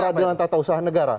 peradilan tata usaha negara